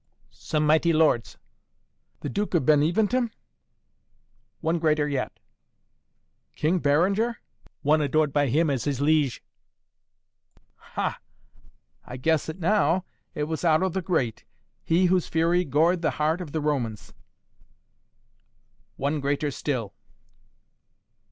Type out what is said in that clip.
"Some mighty lord's." "The Duke of Beneventum?" "One greater yet." "King Berengar?" "One adored by him as his liege." "Ha! I guess it now! It was Otto the Great, he whose fury gored the heart of the Romans." "One greater still."